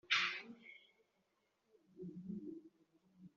nk’ umugabane isosiyete ishobora kwisubiza narawamuze